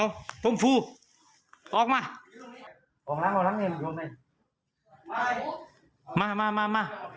ออกมาออกมาออกมามามา